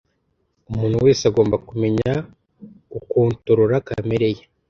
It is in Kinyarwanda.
umuntu wese agomba kumenya gukontorora kamere ye